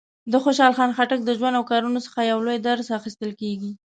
د خوشحال خان خټک د ژوند او کارونو څخه یو لوی درس اخیستل کېږي.